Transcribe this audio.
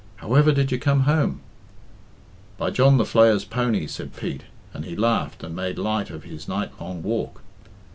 However did you come home?" "By John the Flayer's pony," said Pete; and he laughed and made light of his night long walk.